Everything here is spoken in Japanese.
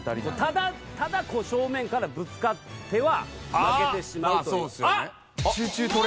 ただただ正面からぶつかっては負けてしまうという。